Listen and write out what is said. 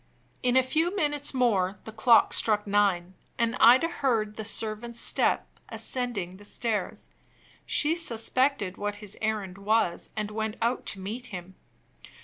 In a few minutes more the clock stuck nine; and Ida heard the servant's step ascending the stairs. She suspected what his errand was, and went out to meet him.